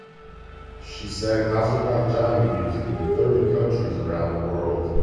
She sang Azerbaijani music in thirty countries around the world.